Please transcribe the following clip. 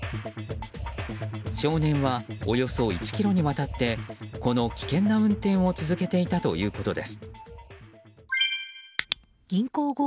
少年はおよそ１ｋｍにわたってこの危険な運転を続けていたということです。